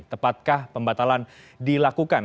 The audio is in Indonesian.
tepatkah pembatalan dilakukan